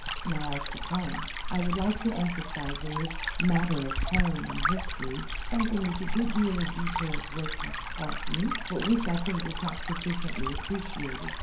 Now, as to tone. I would like to emphasize in this matter of tone in history something which a good deal of detailed work has taught me but which, I think, is not sufficiently ai)i)reciated.